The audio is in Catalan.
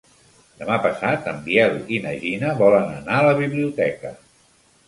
Demà passat en Biel i na Gina volen anar a la biblioteca.